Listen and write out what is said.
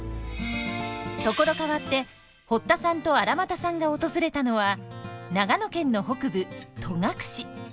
所変わって堀田さんと荒俣さんが訪れたのは長野県の北部戸隠。